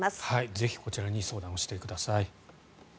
ぜひこちらに相談してください。